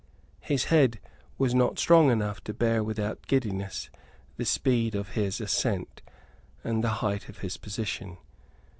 His head was not strong enough to bear without giddiness the speed of his ascent and the height of his position.